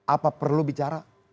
apa perlu bicara